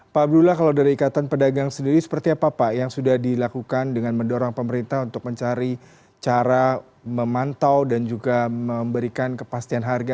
pak abdullah kalau dari ikatan pedagang sendiri seperti apa pak yang sudah dilakukan dengan mendorong pemerintah untuk mencari cara memantau dan juga memberikan kepastian harga